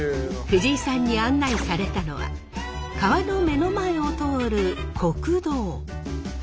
藤井さんに案内されたのは川の目の前を通る国道。